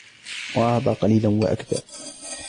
وَأَعْطَى قَلِيلًا وَأَكْدَى